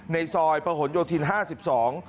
ในซอยประหลโยธิน๕๒